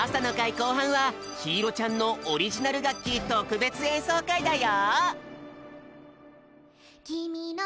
こうはんはひいろちゃんのオリジナルがっきとくべつえんそうかいだよ！